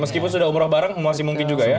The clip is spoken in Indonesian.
meskipun sudah umroh bareng masih mungkin juga ya